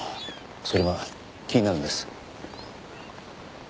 それが気になるんです。